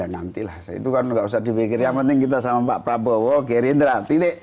ya nanti lah itu kan nggak usah dipikirin yang penting kita sama pak prabowo gerindra tidik